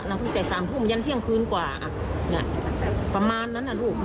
ตั้งแต่๓ทุ่มยันเที่ยงคืนกว่าประมาณนั้นนะลูก